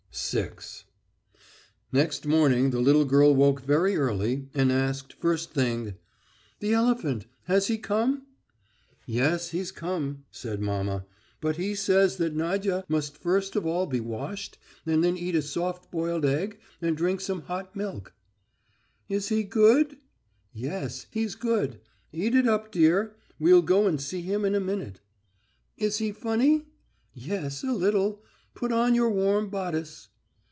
VI Next morning the little girl woke very early, and asked, first thing: "The elephant? Has he come?" "Yes, he's come," said mamma; "but he says that Nadya must first of all be washed, and then eat a soft boiled egg and drink some hot milk." "Is he good?" "Yes, he's good. Eat it up, dear. We'll go and see him in a minute." "Is he funny?" "Yes, a little. Put on your warm bodice."